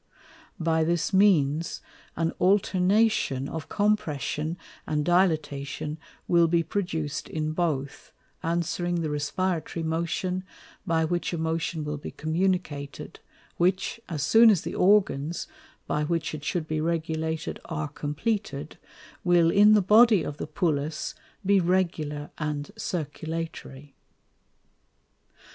By this means, an Alternation of Compression and Dilatation will be produc'd in both, answering the respiratory motion, by which a motion will be communicated, which, as soon as the Organs by which it should be regulated are compleated, will in the Body of the Pullus be regular and circulatory.